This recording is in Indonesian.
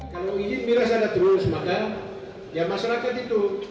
kalau izin miras ada terus maka masyarakat itu